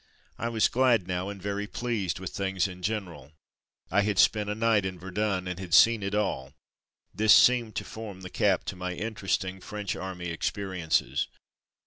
I was glad now, and very pleased with things in general. I had spent a night in Verdun, and had seen it all ; this seemed to form the cap to my interesting French Army experi ences.